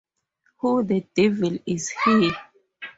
Who the devil is he?